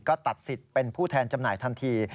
ก็ตัดสิทธิ์เป็นผู้แทนจำหน่ายทันที